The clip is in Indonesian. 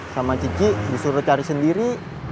sama cici disuruh cari sendiri